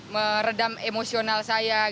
meredam emosional saya